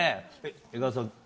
江川さん